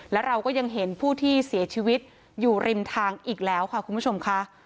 แล้วเราก็ยังเห็นผู้ที่เสียชีวิตอยู่ริมทางอีกแล้วค่ะคุณผู้ชมค่ะ